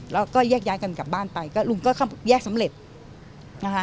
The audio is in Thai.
แล้วก็แยกย้ายกันกลับบ้านไปก็ลุงก็แยกสำเร็จนะคะ